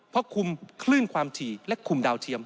เพราะคุมคลื่นความถี่และคุมดาวเทียม